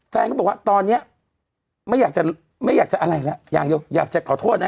แฟนก็บอกว่าตอนนี้ไม่อยากจะอะไรละอยากจะขอโทษนะ